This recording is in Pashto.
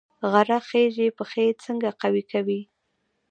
غره خیژي پښې څنګه قوي کوي؟